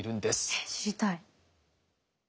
えっ知りたい。